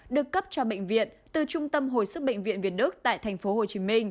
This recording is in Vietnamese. được cấp cho bệnh viện từ trung tâm hồi sức bệnh viện việt đức tại tp hcm